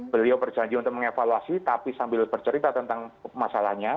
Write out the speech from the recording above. beliau berjanji untuk mengevaluasi tapi sambil bercerita tentang masalahnya